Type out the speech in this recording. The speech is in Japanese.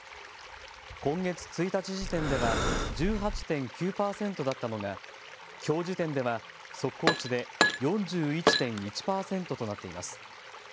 今月１日時点では１８．９％だったのがきょう時点では速報値で４１．１％となっています。